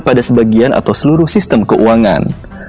pada sebagian atau seluruh sistem keuangan